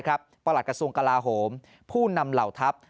ประหลัดกระทรวงกลาโหมผู้นำเหล่าทัพ